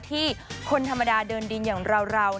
ที่คนธรรมดาเดินดินอย่างเรา